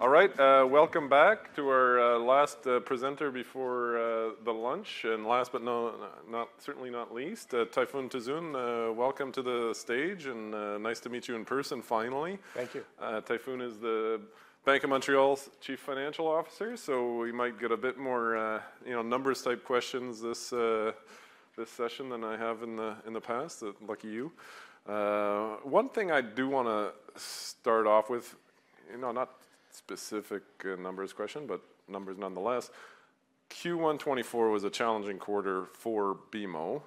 All right, welcome back to our last presenter before the lunch. Last but certainly not least, Tayfun Tuzun, welcome to the stage, and nice to meet you in person finally. Thank you. Tayfun is the Bank of Montreal's Chief Financial Officer, so we might get a bit more numbers-type questions this session than I have in the past, lucky you. One thing I do want to start off with - not specific numbers question, but numbers nonetheless - Q1 2024 was a challenging quarter for BMO,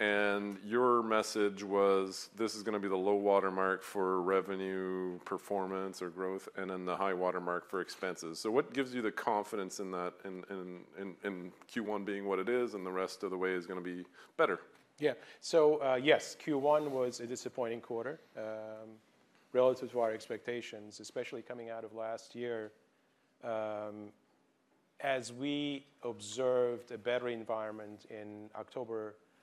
and your message was, "This is going to be the low watermark for revenue, performance, or growth, and then the high watermark for expenses." So what gives you the confidence in Q1 being what it is and the rest of the way is going to be better? Yeah, so yes, Q1 was a disappointing quarter relative to our expectations, especially coming out of last year. As we observed a better environment in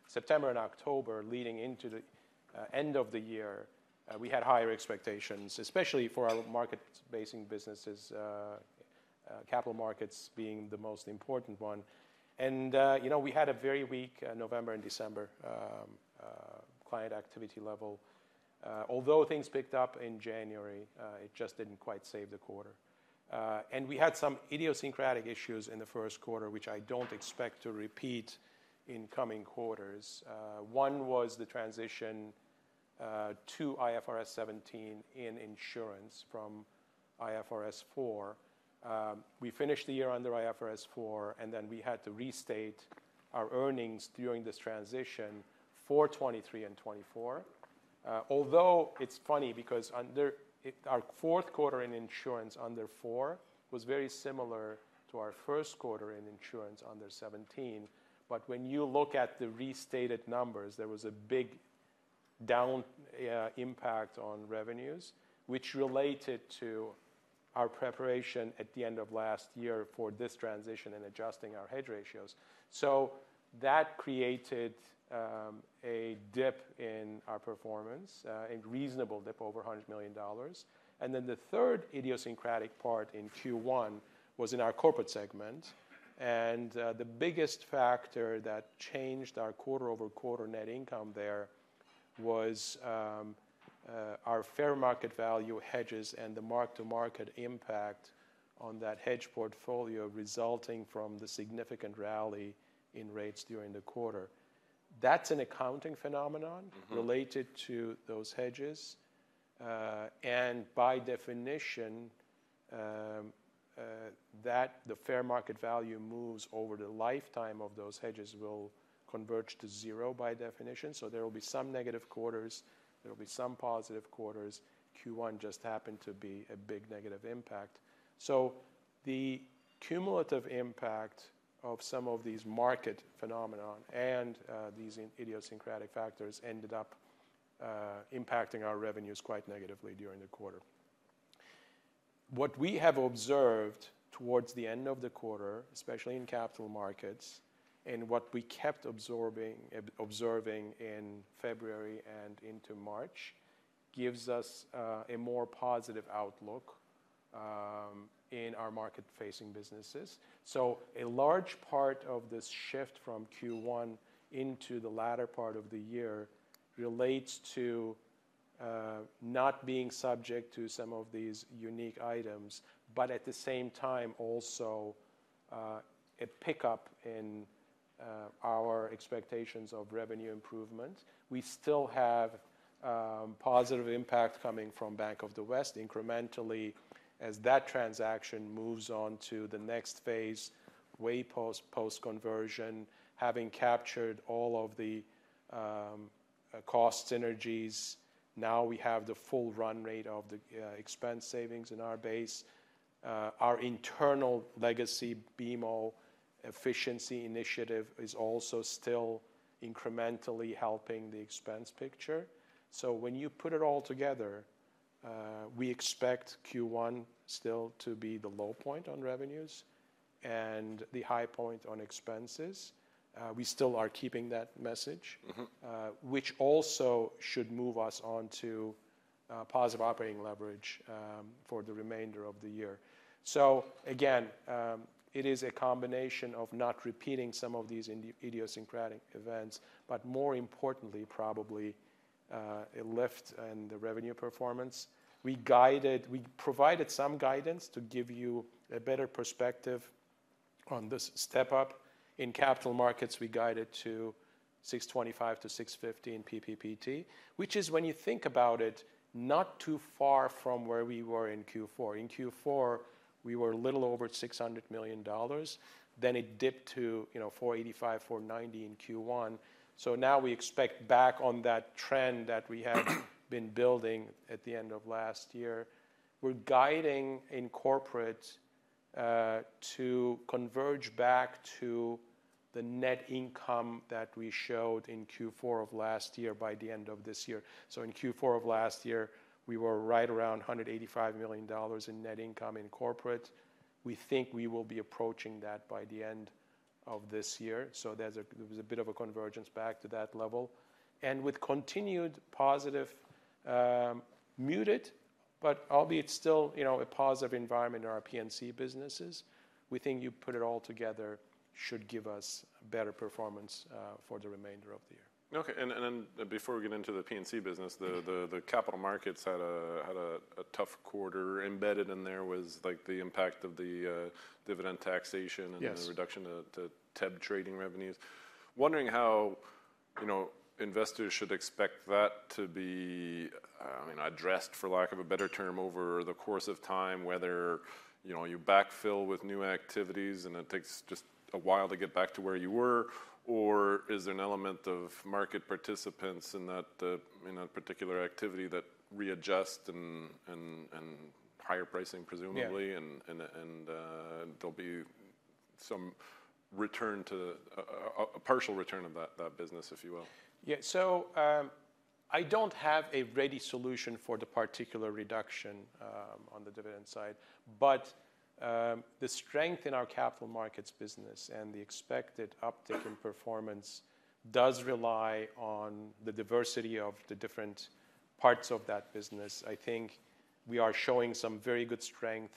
September and October leading into the end of the year, we had higher expectations, especially for our market-facing businesses, Capital Markets being the most important one. And we had a very weak November and December client activity level. Although things picked up in January, it just didn't quite save the quarter. And we had some idiosyncratic issues in the first quarter, which I don't expect to repeat in coming quarters. One was the transition to IFRS 17 in insurance from IFRS 4. We finished the year under IFRS 4, and then we had to restate our earnings during this transition for 2023 and 2024. Although it's funny because our fourth quarter in insurance under IFRS 4 was very similar to our first quarter in insurance under IFRS 17, but when you look at the restated numbers, there was a big down impact on revenues, which related to our preparation at the end of last year for this transition and adjusting our hedge ratios. So that created a dip in our performance, a reasonable dip over 100 million dollars. And then the third idiosyncratic part in Q1 was in our corporate segment. And the biggest factor that changed our quarter-over-quarter net income there was our fair market value hedges and the mark-to-market impact on that hedge portfolio resulting from the significant rally in rates during the quarter. That's an accounting phenomenon related to those hedges. And by definition, the fair market value moves over the lifetime of those hedges will converge to zero by definition. So there will be some negative quarters. There will be some positive quarters. Q1 just happened to be a big negative impact. So the cumulative impact of some of these market phenomena and these idiosyncratic factors ended up impacting our revenues quite negatively during the quarter. What we have observed towards the end of the quarter, especially in Capital Markets, and what we kept observing in February and into March, gives us a more positive outlook in our market-facing businesses. So a large part of this shift from Q1 into the latter part of the year relates to not being subject to some of these unique items, but at the same time also a pickup in our expectations of revenue improvement. We still have positive impact coming from Bank of the West incrementally as that transaction moves on to the next phase, way post-conversion, having captured all of the cost synergies. Now we have the full run rate of the expense savings in our base. Our internal legacy BMO efficiency initiative is also still incrementally helping the expense picture. So when you put it all together, we expect Q1 still to be the low point on revenues and the high point on expenses. We still are keeping that message, which also should move us on to positive operating leverage for the remainder of the year. So again, it is a combination of not repeating some of these idiosyncratic events, but more importantly, probably a lift in the revenue performance. We provided some guidance to give you a better perspective on this step-up. In capital markets, we guided to 625 PPPT-615 PPPT, which is, when you think about it, not too far from where we were in Q4. In Q4, we were a little over 600 million dollars. Then it dipped to 485 million-490 million in Q1. So now we expect, back on that trend that we have been building at the end of last year, we're guiding in corporate to converge back to the net income that we showed in Q4 of last year by the end of this year. So in Q4 of last year, we were right around 185 million dollars in net income in corporate. We think we will be approaching that by the end of this year. So there was a bit of a convergence back to that level. With continued positive, muted but albeit still a positive environment in our P&C businesses, we think you put it all together should give us better performance for the remainder of the year. OK, and then before we get into the P&C business, the Capital Markets had a tough quarter. Embedded in there was the impact of the dividend taxation and the reduction to TEB trading revenues. Wondering how investors should expect that to be addressed, for lack of a better term, over the course of time, whether you backfill with new activities and it takes just a while to get back to where you were, or is there an element of market participants in that particular activity that readjust and higher pricing, presumably, and there'll be some return to a partial return of that business, if you will? Yeah, so I don't have a ready solution for the particular reduction on the dividend side. But the strength in our capital markets business and the expected uptick in performance does rely on the diversity of the different parts of that business. I think we are showing some very good strength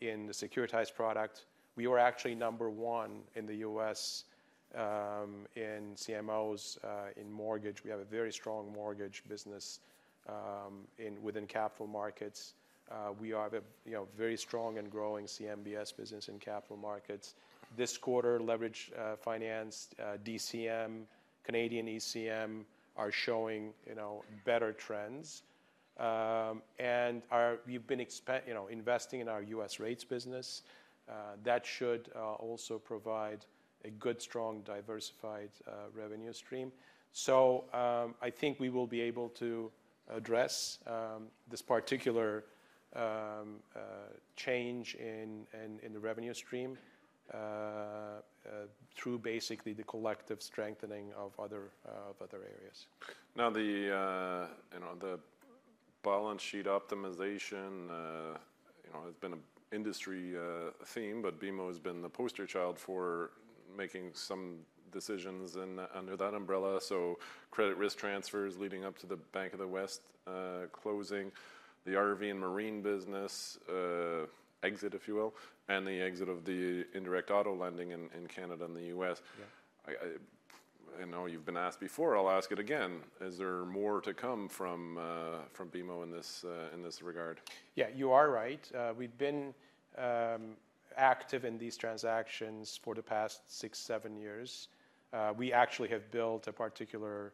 in the securitized product. We were actually number one in the U.S. in CMOs in mortgage. We have a very strong mortgage business within capital markets. We have a very strong and growing CMBS business in capital markets. This quarter, leverage finance, DCM, Canadian ECM, are showing better trends. And we've been investing in our U.S. rates business. That should also provide a good, strong, diversified revenue stream. So I think we will be able to address this particular change in the revenue stream through basically the collective strengthening of other areas. Now, the balance sheet optimization has been an industry theme, but BMO has been the poster child for making some decisions under that umbrella. So credit risk transfers leading up to the Bank of the West closing, the RV and marine business exit, if you will, and the exit of the indirect auto lending in Canada and the U.S.. I know you've been asked before. I'll ask it again. Is there more to come from BMO in this regard? Yeah, you are right. We've been active in these transactions for the past 6 years, 7 years. We actually have built a particular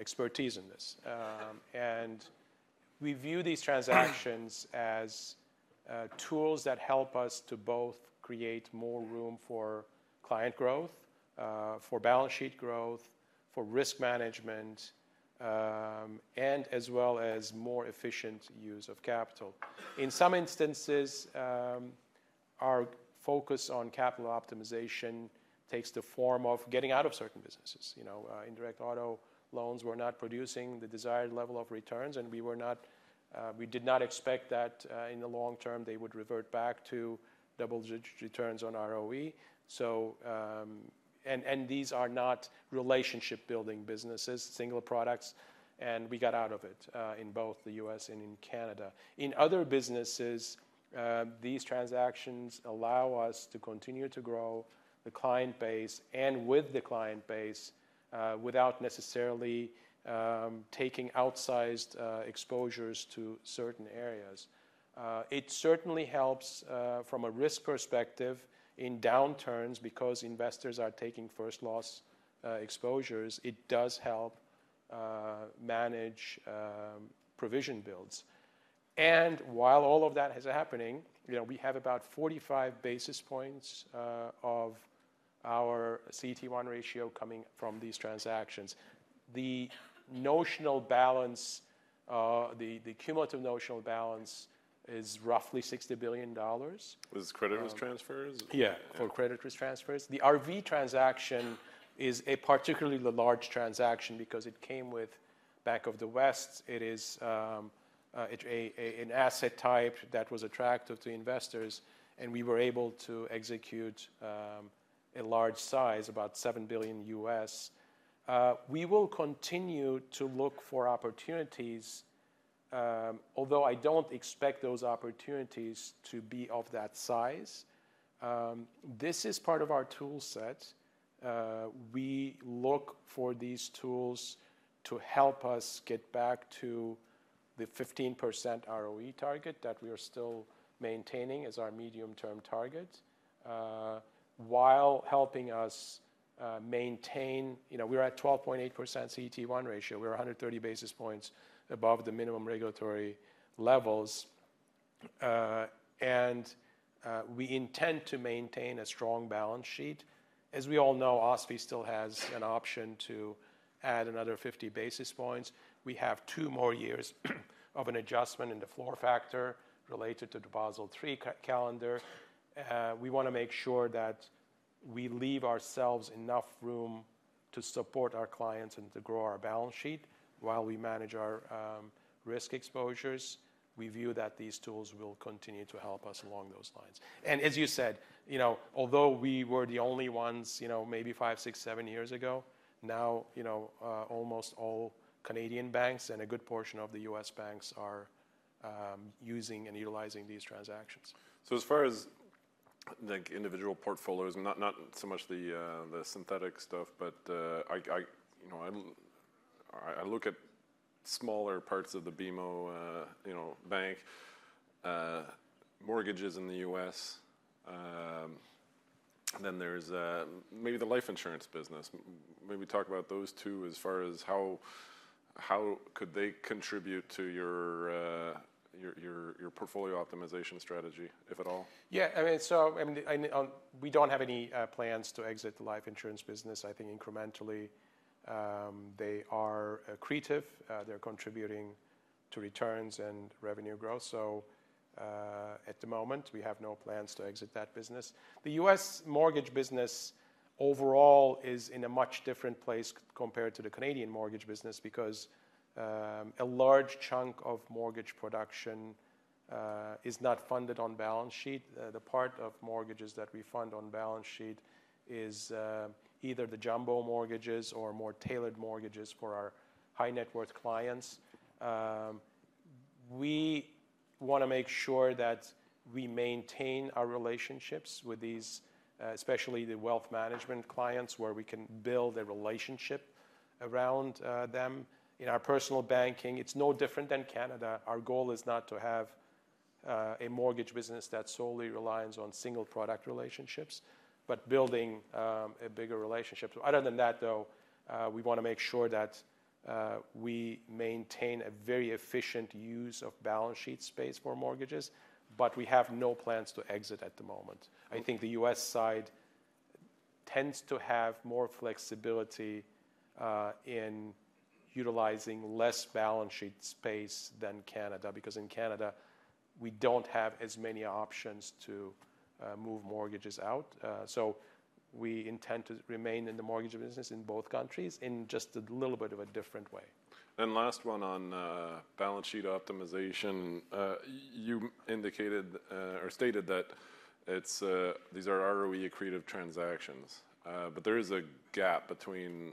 expertise in this. And we view these transactions as tools that help us to both create more room for client growth, for balance sheet growth, for risk management, and as well as more efficient use of capital. In some instances, our focus on capital optimization takes the form of getting out of certain businesses. Indirect Auto Loans, we're not producing the desired level of returns, and we did not expect that in the long term they would revert back to double returns on ROE. And these are not relationship-building businesses, single products, and we got out of it in both the U.S. and in Canada. In other businesses, these transactions allow us to continue to grow the client base and with the client base without necessarily taking outsized exposures to certain areas. It certainly helps from a risk perspective in downturns because investors are taking first loss exposures. It does help manage provision builds. And while all of that is happening, we have about 45 basis points of our CET1 ratio coming from these transactions. The notional balance, the cumulative notional balance, is roughly $60 billion. Was it Credit Risk Transfers? Yeah, for credit risk transfers. The RV transaction is particularly the large transaction because it came with Bank of the West. It is an asset type that was attractive to investors, and we were able to execute a large size, about $7 billion. We will continue to look for opportunities, although I don't expect those opportunities to be of that size. This is part of our tool set. We look for these tools to help us get back to the 15% ROE target that we are still maintaining as our medium-term target while helping us maintain we're at 12.8% CET1 ratio. We're 130 basis points above the minimum regulatory levels. We intend to maintain a strong balance sheet. As we all know, OSFI still has an option to add another 50 basis points. We have 2 more years of an adjustment in the floor factor related to Basel III calendar. We want to make sure that we leave ourselves enough room to support our clients and to grow our balance sheet while we manage our risk exposures. We view that these tools will continue to help us along those lines. As you said, although we were the only ones maybe 5 years, 6 years, 7 years ago, now almost all Canadian banks and a good portion of the U.S. banks are using and utilizing these transactions. So as far as individual portfolios, not so much the synthetic stuff, but I look at smaller parts of the BMO bank, mortgages in the U.S. Then there's maybe the life insurance business. Maybe talk about those two as far as how could they contribute to your portfolio optimization strategy, if at all? Yeah, I mean, so we don't have any plans to exit the life insurance business. I think incrementally, they are creative. They're contributing to returns and revenue growth. So at the moment, we have no plans to exit that business. The U.S. mortgage business overall is in a much different place compared to the Canadian mortgage business because a large chunk of mortgage production is not funded on balance sheet. The part of mortgages that we fund on balance sheet is either the jumbo mortgages or more tailored mortgages for our high net worth clients. We want to make sure that we maintain our relationships with these, especially the wealth management clients, where we can build a relationship around them. In our personal banking, it's no different than Canada. Our goal is not to have a mortgage business that solely relies on single product relationships, but building a bigger relationship. Other than that, though, we want to make sure that we maintain a very efficient use of balance sheet space for mortgages. We have no plans to exit at the moment. I think the U.S. side tends to have more flexibility in utilizing less balance sheet space than Canada because in Canada, we don't have as many options to move mortgages out. We intend to remain in the mortgage business in both countries in just a little bit of a different way. Last one on balance sheet optimization. You indicated or stated that these are ROE accretive transactions. But there is a gap between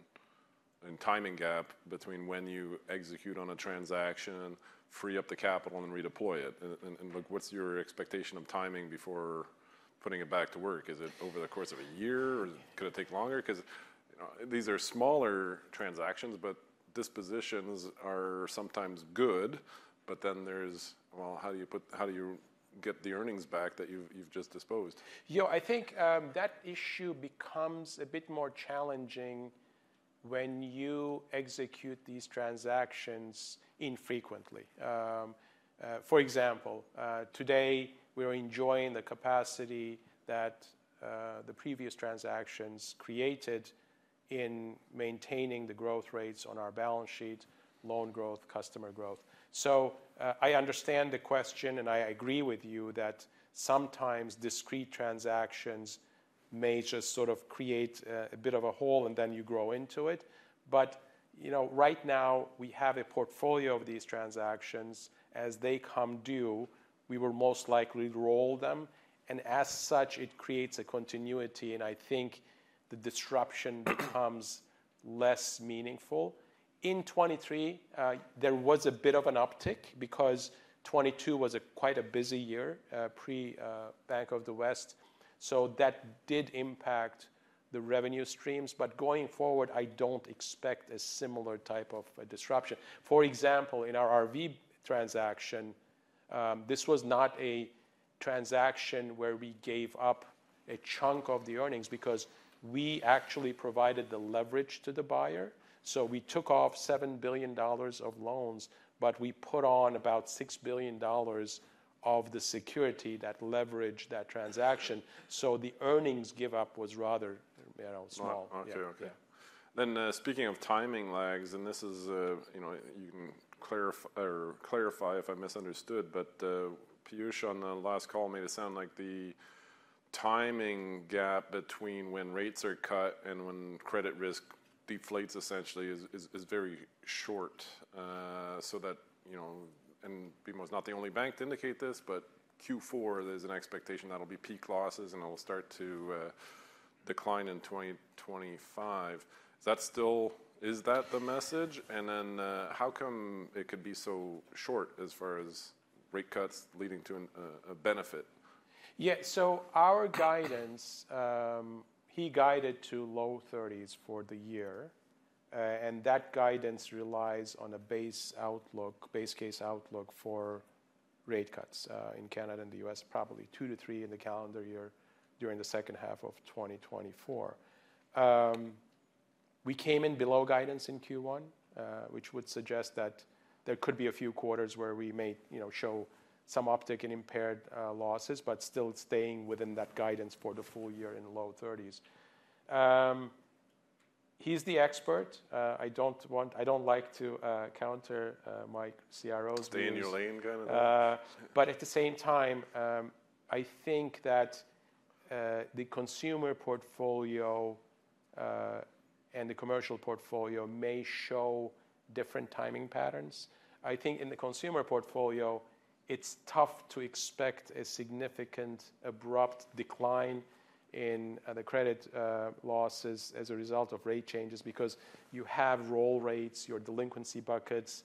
and timing gap between when you execute on a transaction, free up the capital, and redeploy it. And look, what's your expectation of timing before putting it back to work? Is it over the course of a year, or could it take longer? Because these are smaller transactions, but dispositions are sometimes good. But then there's, well, how do you get the earnings back that you've just disposed? You know, I think that issue becomes a bit more challenging when you execute these transactions infrequently. For example, today, we are enjoying the capacity that the previous transactions created in maintaining the growth rates on our balance sheet, loan growth, customer growth. So I understand the question, and I agree with you that sometimes discrete transactions may just sort of create a bit of a hole, and then you grow into it. But right now, we have a portfolio of these transactions. As they come due, we will most likely roll them. And as such, it creates a continuity, and I think the disruption becomes less meaningful. In 2023, there was a bit of an uptick because 2022 was quite a busy year pre-Bank of the West. So that did impact the revenue streams. But going forward, I don't expect a similar type of disruption. For example, in our RV transaction, this was not a transaction where we gave up a chunk of the earnings because we actually provided the leverage to the buyer. So we took off $7 billion of loans, but we put on about $6 billion of the security that leveraged that transaction. So the earnings give up was rather small. Okay, okay. Then, speaking of timing lags, and this is you can clarify if I misunderstood, but Piyush on the last call made it sound like the timing gap between when rates are cut and when credit risk deflates, essentially, is very short. And BMO is not the only bank to indicate this, but Q4, there's an expectation that'll be peak losses, and it'll start to decline in 2025. Is that still is that the message? And then how come it could be so short as far as rate cuts leading to a benefit? Yeah, so our guidance, he guided to low 30s for the year. That guidance relies on a base outlook, base case outlook for rate cuts in Canada and the U.S., probably two to three in the calendar year during the second half of 2024. We came in below guidance in Q1, which would suggest that there could be a few quarters where we may show some uptick in impaired losses, but still staying within that guidance for the full year in low 30s. He's the expert. I don't like to counter my CRO's. Stay in your lane, kind of? But at the same time, I think that the consumer portfolio and the commercial portfolio may show different timing patterns. I think in the consumer portfolio, it's tough to expect a significant abrupt decline in the credit losses as a result of rate changes because you have roll rates, your delinquency buckets,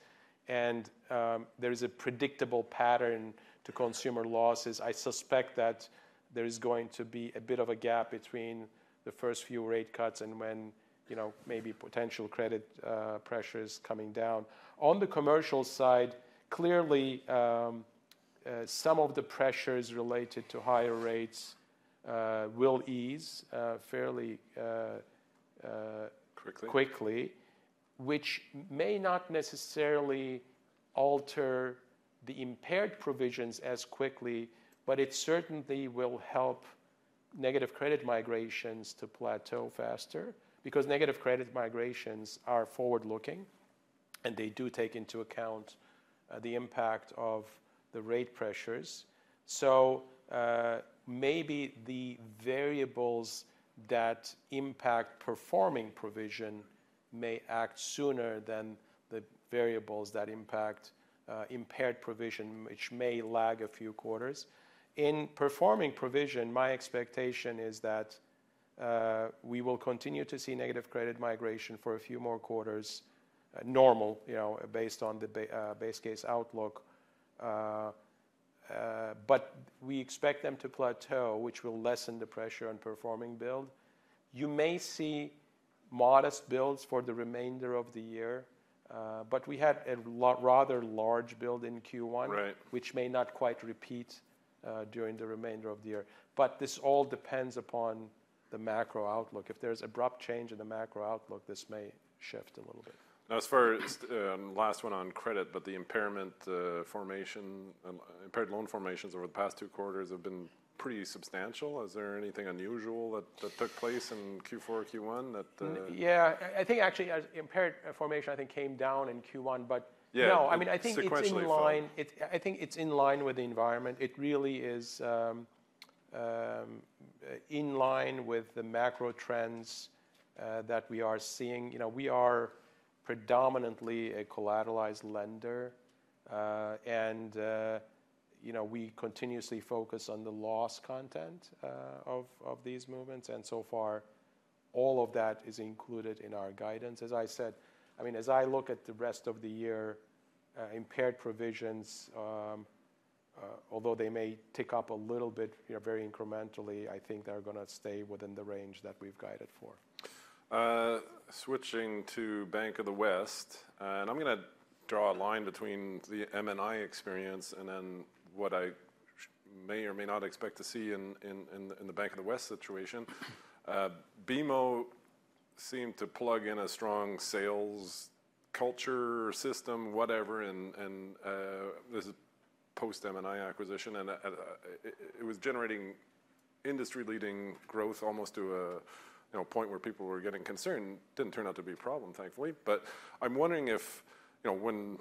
and there is a predictable pattern to consumer losses. I suspect that there is going to be a bit of a gap between the first few rate cuts and when maybe potential credit pressure is coming down. On the commercial side, clearly, some of the pressures related to higher rates will ease fairly. Quickly? Quickly, which may not necessarily alter the impaired provisions as quickly, but it certainly will help negative credit migrations to plateau faster because negative credit migrations are forward-looking, and they do take into account the impact of the rate pressures. So maybe the variables that impact performing provision may act sooner than the variables that impact impaired provision, which may lag a few quarters. In performing provision, my expectation is that we will continue to see negative credit migration for a few more quarters normal, based on the base case outlook. But we expect them to plateau, which will lessen the pressure on performing build. You may see modest builds for the remainder of the year. But we had a rather large build in Q1, which may not quite repeat during the remainder of the year. But this all depends upon the macro outlook. If there's an abrupt change in the macro outlook, this may shift a little bit. Now, as far as last one on credit, but the impairment formation, impaired loan formations over the past two quarters have been pretty substantial. Is there anything unusual that took place in Q4, Q1 that. Yeah, I think actually impaired formations, I think, came down in Q1. But no, I mean, I think it's in line. I think it's in line with the environment. It really is in line with the macro trends that we are seeing. We are predominantly a collateralized lender, and we continuously focus on the loss content of these movements. And so far, all of that is included in our guidance. As I said, I mean, as I look at the rest of the year, impaired provisions, although they may tick up a little bit very incrementally, I think they're going to stay within the range that we've guided for. Switching to Bank of the West, and I'm going to draw a line between the M&I experience and then what I may or may not expect to see in the Bank of the West situation. BMO seemed to plug in a strong sales culture system, whatever, post-M&I acquisition. It was generating industry-leading growth almost to a point where people were getting concerned. Didn't turn out to be a problem, thankfully. I'm wondering if when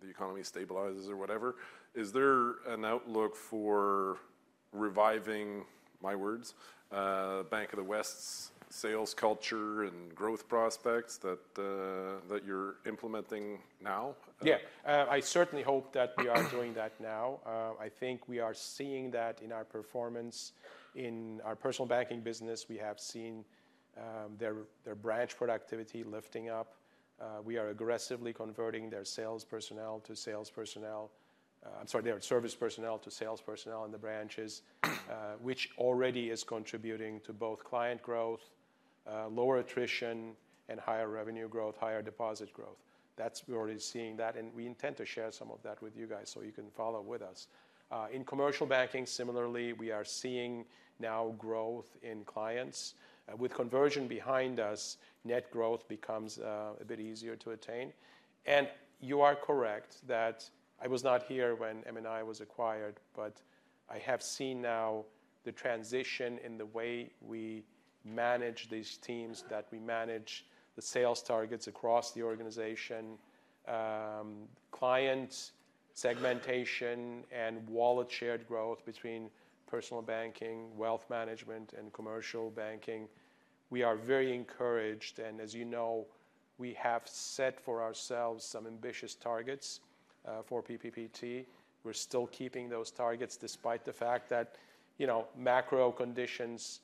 the economy stabilizes or whatever, is there an outlook for reviving, my words, Bank of the West's sales culture and growth prospects that you're implementing now? Yeah, I certainly hope that we are doing that now. I think we are seeing that in our performance. In our personal banking business, we have seen their branch productivity lifting up. We are aggressively converting their sales personnel to sales personnel. I'm sorry, their service personnel to sales personnel in the branches, which already is contributing to both client growth, lower attrition, and higher revenue growth, higher deposit growth. We're already seeing that, and we intend to share some of that with you guys so you can follow with us. In commercial banking, similarly, we are seeing now growth in clients. With conversion behind us, net growth becomes a bit easier to attain. You are correct that I was not here when M&I was acquired, but I have seen now the transition in the way we manage these teams, that we manage the sales targets across the organization, client segmentation, and wallet share growth between personal banking, wealth management, and commercial banking. We are very encouraged. And as you know, we have set for ourselves some ambitious targets for PPPT. We're still keeping those targets despite the fact that macro conditions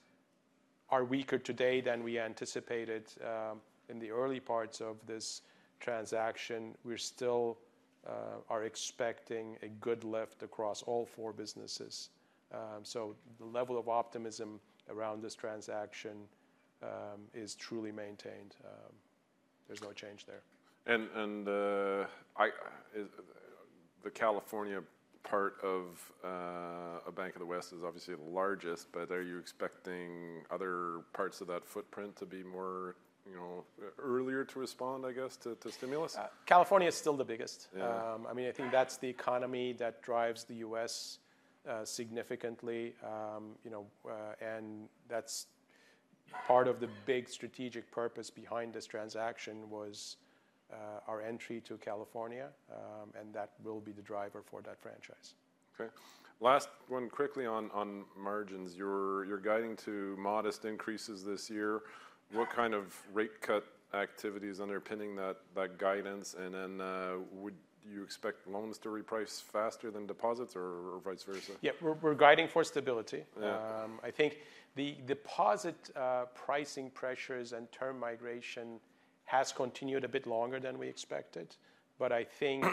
are weaker today than we anticipated in the early parts of this transaction. We still are expecting a good lift across all four businesses. So the level of optimism around this transaction is truly maintained. There's no change there. The California part of a Bank of the West is obviously the largest, but are you expecting other parts of that footprint to be more earlier to respond, I guess, to stimulus? California is still the biggest. I mean, I think that's the economy that drives the U.S. significantly. That's part of the big strategic purpose behind this transaction was our entry to California, and that will be the driver for that franchise. OK, last one quickly on margins. You're guiding to modest increases this year. What kind of rate cut activities underpinning that guidance? And then would you expect loans to reprice faster than deposits, or vice versa? Yeah, we're guiding for stability. I think the deposit pricing pressures and term migration have continued a bit longer than we expected. But I think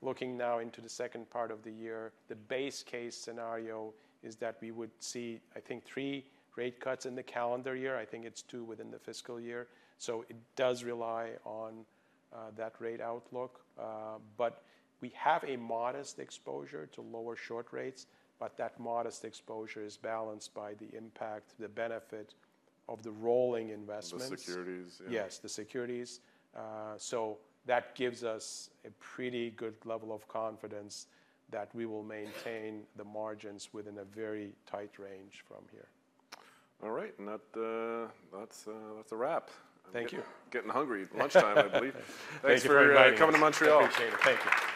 looking now into the second part of the year, the base case scenario is that we would see, I think, three rate cuts in the calendar year. I think it's two rate cuts within the fiscal year. So it does rely on that rate outlook. But we have a modest exposure to lower short rates, but that modest exposure is balanced by the impact, the benefit of the rolling investments. The securities? Yes, the securities. So that gives us a pretty good level of confidence that we will maintain the margins within a very tight range from here. All right, and that's a wrap. Thank you. Getting hungry. Lunchtime, I believe. Thanks for coming to Montreal. Thank you.